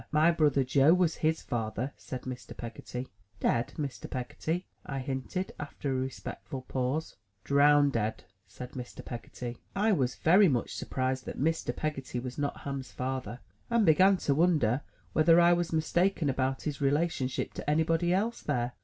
"My brother Joe was his father," said Mr. Peggotty. "Dead, Mr. Peggotty?" I hinted, after a respectful pause. "Drowndead," said Mr. Peggotty. I was very much surprised that Mr. Peggotty was not Ham's father, and began to wonder whether I was mistaken about his relationship to any body else there.